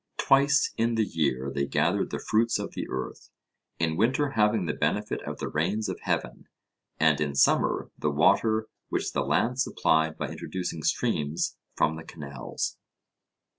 Twice in the year they gathered the fruits of the earth in winter having the benefit of the rains of heaven, and in summer the water which the land supplied by introducing streams from the canals.